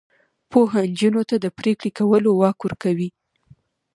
پوهه نجونو ته د پریکړې کولو واک ورکوي.